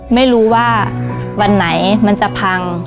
ไม่รู้ว่าวันไหนมันจะพัง